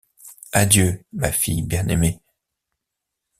Adieu, ma fille bien-aimée!